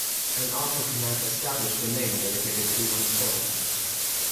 An author can have established a name dedicated to oneself.